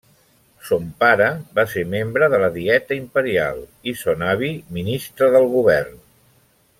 Son pare va ser membre de la Dieta Imperial i son avi, ministre del govern.